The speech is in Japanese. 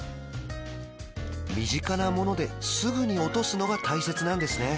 身近なものですぐに落とすのが大切なんですね